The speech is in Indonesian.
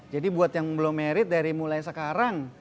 jadi buat yang belum married dari mulai sekarang